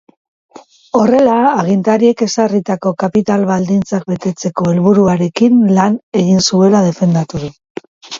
Horrela, agintariek ezarritako kapital baldintzak betetzeko helburuarekin lan egin zuela defendatu du.